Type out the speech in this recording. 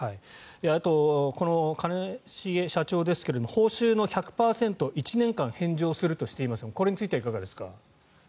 あと、兼重社長ですが報酬の１００％を１年間返上するとしていますがこれについてはいかがですか。